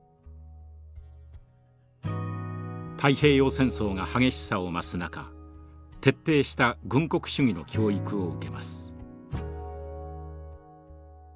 太平洋戦争が激しさを増す中徹底した軍国主義の教育を受けます。